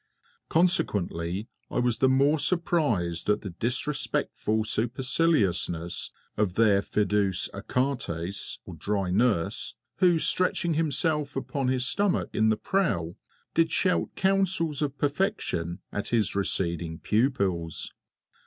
Consequently I was the more surprised at the disrespectful superciliousness of their Fidus Achates or dry nurse, who, stretching himself upon his stomach in the prow, did shout counsels of perfection at his receding pupils.